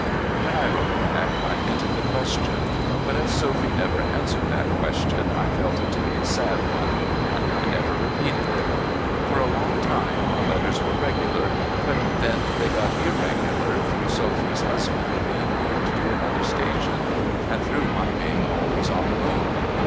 When I wrote back, I hinted the question ; but as Sophy never answered that question, I felt it to be a sad one, and I never repeated it. For a long time our letters Avere regular, but then they got irregular, through Sophy's husband being moved to another station, and through my being always on the move.